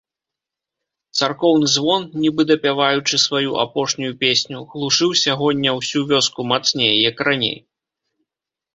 Царкоўны звон, нібы дапяваючы сваю апошнюю песню, глушыў сягоння ўсю вёску мацней, як раней.